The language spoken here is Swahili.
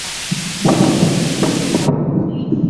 Chanjo ya korona ilipeanwa